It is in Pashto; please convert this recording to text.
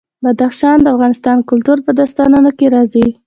بدخشان د افغان کلتور په داستانونو کې راځي.